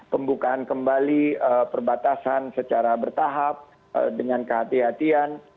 pembukaan kembali perbatasan secara bertahap dengan kehatian